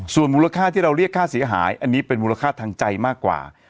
ส่วนมูลค่าที่เราเรียกค่าเสียหายอันนี้เป็นมูลค่าทางใจมากกว่า